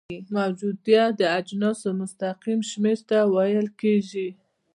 موجودیه د اجناسو مستقیم شمیر ته ویل کیږي.